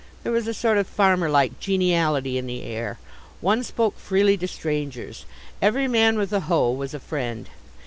There was a sort of farmer like geniality in the air. One spoke freely to strangers. Every man with a hoe was a friend.